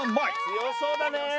強そうだね。